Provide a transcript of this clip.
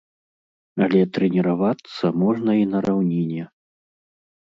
Але трэніравацца можна і на раўніне.